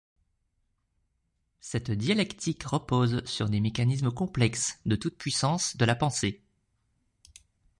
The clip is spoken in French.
Cette dialectique repose sur des mécanismes complexes de toute-puissance de la pensée.